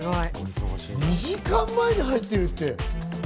２時間前に入ってるって。